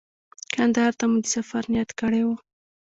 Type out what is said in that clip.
کندهار ته مو د سفر نیت کړی و.